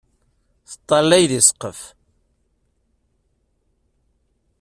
Teṭṭalay deg ssqef.